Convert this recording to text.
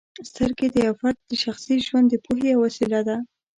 سترګې د یو فرد د شخصي ژوند د پوهې یوه وسیله ده.